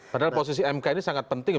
padahal posisi mk ini sangat penting